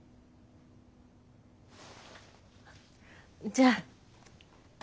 じゃあ。